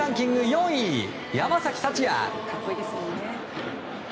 ４位山崎福也。